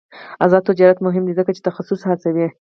آزاد تجارت مهم دی ځکه چې تخصص هڅوي.